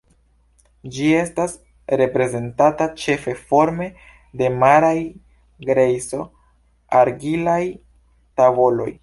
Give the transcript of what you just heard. Ĝi estas reprezentata ĉefe forme de maraj grejso-argilaj tavoloj.